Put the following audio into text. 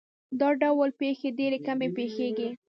دا ډول پېښې ډېرې کمې پېښېږي.